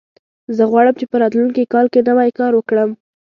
زه غواړم چې په راتلونکي کال کې نوی کار وکړم